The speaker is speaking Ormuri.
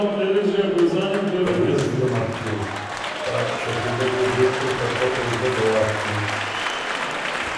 که ګُده کی ګۀ مک چیو۔ خه شکیلۀ ليې بالکل ته پۀ اُلټۀ ځواب ڒیوک۔